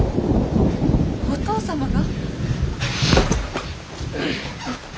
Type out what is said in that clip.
お義父様が！？